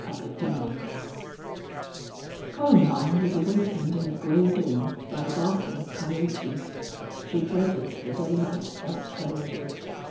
CHAPTER VII Columbine was awakened in the gray dawn by the barking of coyotes. She dreaded the daylight thus heralded.